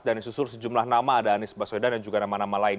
dan disusul sejumlah nama ada anies baswedan dan juga nama nama lain